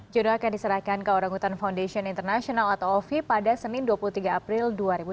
jono akan diserahkan ke orangutan foundation international atau ovi pada senin dua puluh tiga april dua ribu delapan belas